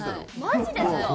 マジですか？